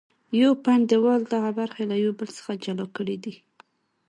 یو پنډ دیوال دغه برخې له یو بل څخه جلا کړې دي.